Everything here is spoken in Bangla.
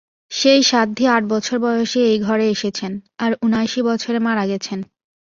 সেই সাধ্বী আট বছর বয়সে এই ঘরে এসেছেন, আর উনআশি বছরে মারা গেছেন।